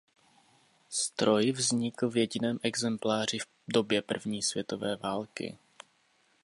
Stroj vznikl v jediném exempláři v době první světové války.